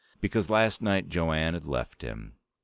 Because last night Jo Anne had left him.